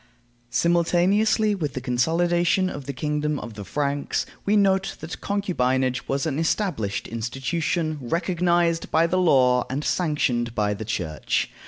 Simultaneously with the consolidation of the kingdom of the Franks, we note that concubinage was an established institution, recognized by the law and sanctioned by the Church.